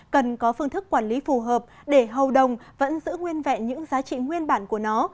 cần có phương thức quản lý phù hợp để hầu đồng vẫn giữ nguyên vẹn những giá trị nguyên bản của nó